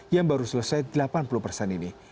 yang baru selesai delapan puluh persen ini